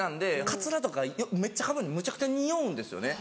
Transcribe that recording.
カツラとかめっちゃかぶるんでむちゃくちゃにおうんですよね。